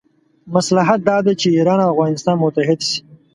مصلحت دا دی چې ایران او افغانستان متحد شي.